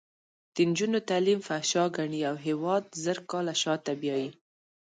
د نجونو تعلیم فحشا ګڼي او هېواد زر کاله شاته بیایي.